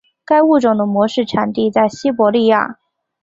该物种的模式产地在西伯利亚。